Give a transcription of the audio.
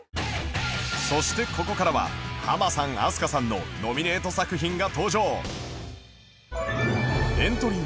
そしてここからはハマさん飛鳥さんのノミネート作品が登場